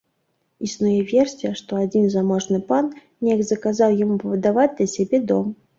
Існуе версія, што адзін заможны пан неяк заказаў яму пабудаваць для сябе дом.